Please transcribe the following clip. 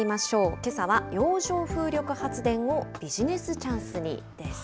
けさは洋上風力発電をビジネスチャンスにです。